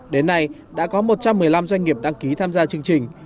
đến nay đã có một trăm một mươi năm doanh nghiệp đăng ký tham gia chương trình